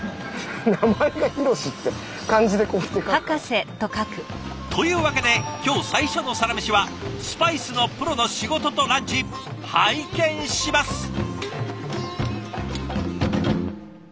名前が「博士」って漢字でこうやって書くから。というわけで今日最初のサラメシはスパイスのプロの仕事とランチ拝見します！